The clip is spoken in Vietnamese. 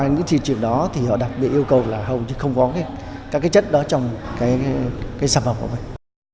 điều đó thì họ đặc biệt yêu cầu là không có các chất đó trong sản phẩm của mình